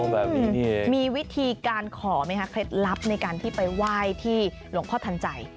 แบบนี้มีวิธีการขอไหมคะเคล็ดลับในการที่ไปไหว้ที่หลวงพ่อทันใจ